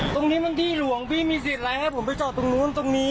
ตรงนี้มันที่หลวงพี่มีสิทธิ์อะไรให้ผมไปจอดตรงนู้นตรงนี้